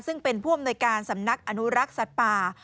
ซึ่งเป็นผู้อำนวยการสำนักอนุรักษ์สัตว์ป่า